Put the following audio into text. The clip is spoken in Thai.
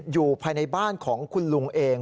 อยู่ภายในบ้านของคุณลุงเอง